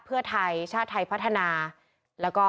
กรุงเทพฯมหานครทำไปแล้วนะครับ